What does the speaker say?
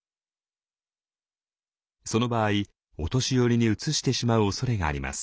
その場合お年寄りにうつしてしまうおそれがあります。